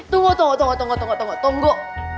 tunggu tunggu tunggu tunggu tunggu